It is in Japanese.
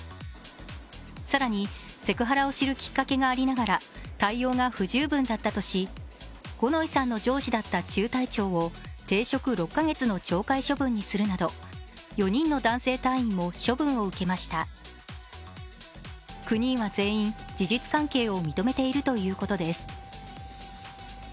更に、セクハラを知るきっかけがありながら対応が不十分だったとし五ノ井さんの上司だった中隊長を停職６か月の懲戒処分にするなど４人の男性隊員も処分を受けました９人は全員事実関係を認めているということです。